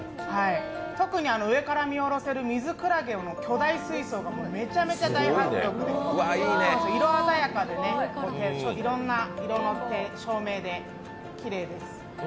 特に上から見下ろせるミズクラゲの巨大水槽がめちゃめちゃ大迫力で色鮮やかでいろんな色の照明できれいです。